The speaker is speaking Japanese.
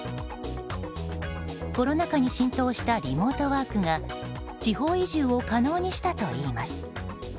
コロナ禍に浸透したリモートワークが地方移住を可能にしたといいます。